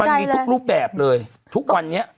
มันมีทุกรูปแบบเลยทุกวันนี้